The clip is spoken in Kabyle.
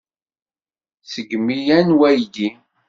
Ssegmiɣ yan waydi.